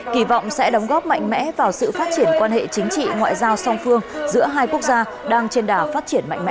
kỳ vọng sẽ đóng góp mạnh mẽ vào sự phát triển quan hệ chính trị ngoại giao song phương giữa hai quốc gia đang trên đà phát triển mạnh mẽ